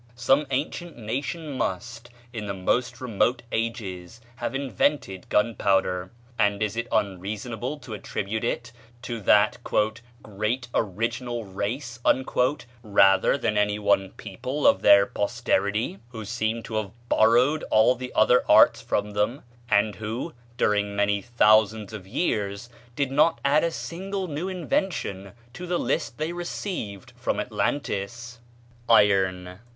Some ancient nation must, in the most remote ages, have invented gunpowder; and is it unreasonable to attribute it to that "great original race" rather than to any one people of their posterity, who seem to have borrowed all the other arts from them; and who, during many thousands of years, did not add a single new invention to the list they received from Atlantis? Iron.